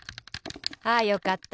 あよかった。